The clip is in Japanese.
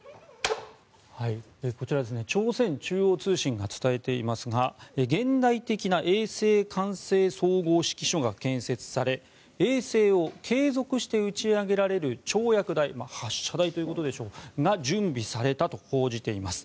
こちら朝鮮中央通信が伝えていますが現代的な衛星管制総合指揮所が建設され衛星を継続して打ち上げられる跳躍台発射台ということでしょうそれが設置されています。